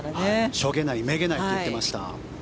しょげない、めげないと言っていました。